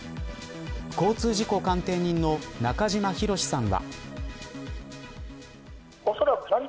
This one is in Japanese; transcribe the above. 交通事故鑑定人の中島博史さんは。